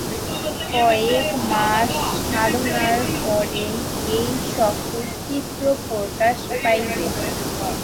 কয়েক মাস সাধনার পরই এই-সকল চিহ্ন প্রকাশ পাইবে।